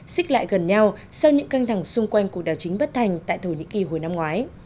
xích lại gần nhau sau những căng thẳng xung quanh cuộc đảo chính bất thành tại thổ nhĩ kỳ hồi năm ngoái